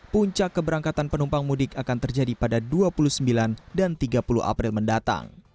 puncak keberangkatan penumpang mudik akan terjadi pada dua puluh sembilan dan tiga puluh april mendatang